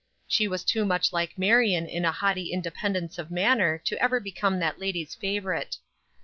She was too much like Marion in a haughty independence of manner to ever become that lady's favorite.